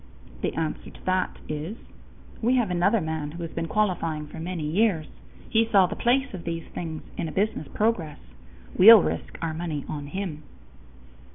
The answer to that is: "We have another man who has been qualifying for many years. He saw the place of these things in business progress. We'll risk our money on him."